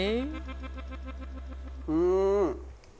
うん！